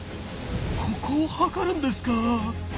ここを測るんですか。